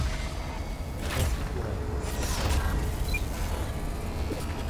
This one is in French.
Tant pis pour elles.